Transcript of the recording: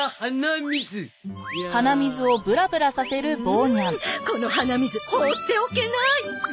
うんこの鼻水放っておけない！